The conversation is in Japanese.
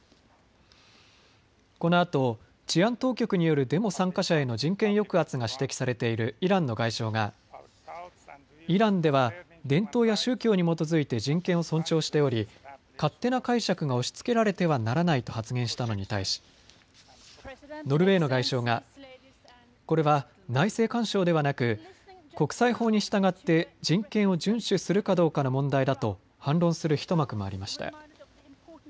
このあと治安当局によるデモ参加者への人権抑圧が指摘されているイランの外相がイランでは伝統や宗教に基づいて人権を尊重しており勝手な解釈が押しつけられてはならないと発言したのに対し、ノルウェーの外相がこれは内政干渉ではなく国際法に従って人権を順守するかどうかの問題だと反論する一幕もありました。